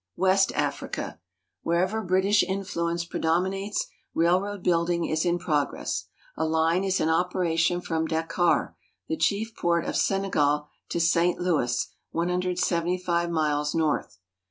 West Africa. Wlierever British influence predominates, railroad building is in progress. A line is in operation from Dakar, the chief port of Senegal, to St Louis, 175 miles north.